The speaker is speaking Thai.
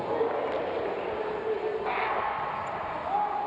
สวัสดีทุกคน